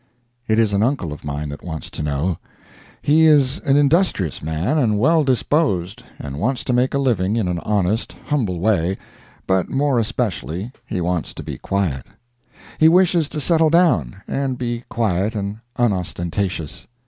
It is an uncle of mine that wants to know. He is an industrious man and well disposed, and wants to make a living in an honest, humble way, but more especially he wants to be quiet. He wishes to settle down, and be quiet and unostentatious.